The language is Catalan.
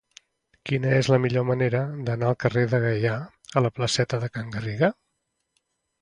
Quina és la millor manera d'anar del carrer del Gaià a la placeta de Can Garriga?